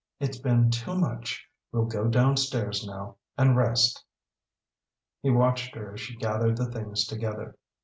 It's been too much. We'll go down stairs now, and rest." He watched her as she gathered the things together.